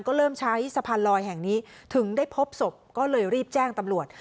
ก็เริ่มใช้สะพานลอยแห่งนี้ถึงได้พบศพก็เลยรีบแจ้งตำรวจ